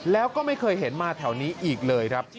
แล้วก็ไม่เคยเห็นมาแถวนี้อีกเลยครับ